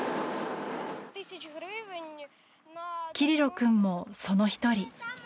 キリロ君も、その１人。